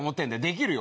できるよ！